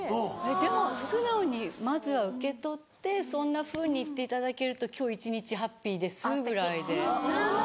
でも素直にまずは受け取って「そんなふうに言っていただけると今日一日ハッピーです」ぐらいで。